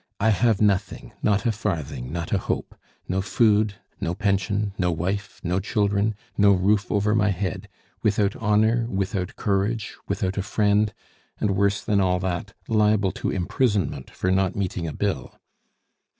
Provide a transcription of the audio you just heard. I have nothing not a farthing, not a hope; no food, no pension, no wife, no children, no roof over my head; without honor, without courage, without a friend; and worse than all that, liable to imprisonment for not meeting a bill."